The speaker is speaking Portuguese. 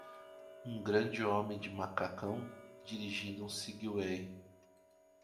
Um grande homem de macacão? dirigindo um Segway.